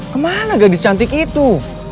kemana gadis cantik itu